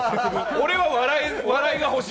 俺は笑いが欲しい！